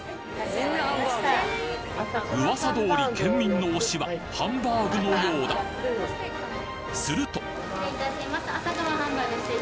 噂通り県民の推しはハンバーグのようだすると失礼いたします。